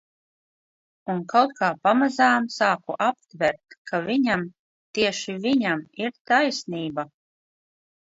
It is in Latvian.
Un kaut kā pamazām sāku aptvert, ka viņam, tieši viņam ir taisnība.